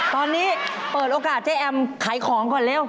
ตอนนี้เปิดโอกาสเจ๊แอมขายของก่อนเร็ว